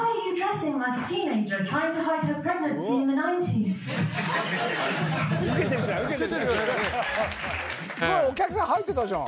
すごいお客さん入ってたじゃん。